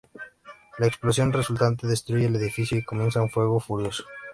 La explosión resultante destruye el edificio y comienza un fuego furioso.